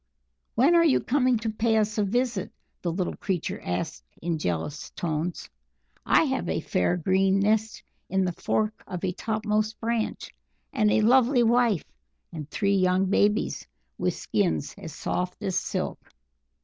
"When are you coming to pay us a visit?" the little creature asked in jealous tones. "I have a fair, green nest in the fork of a top most branch, and a lovely wife and three young babies, with skins as soft as silk."